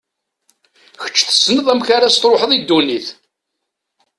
Kečč tessneḍ amek ad as-tṛuḥeḍ i ddunit.